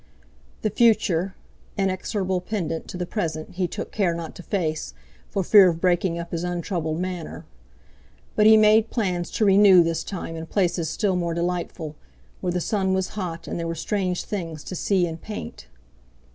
The future—inexorable pendant to the present he took care not to face, for fear of breaking up his untroubled manner; but he made plans to renew this time in places still more delightful, where the sun was hot and there were strange things to see and paint.